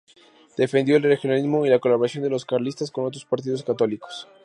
Defendió el regionalismo y la colaboración de los carlistas con otros partidos católicos.